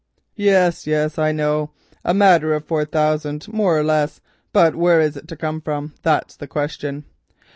"Yes, yes, I know, a matter of four thousand more or less, but where is it to come from, that's the question?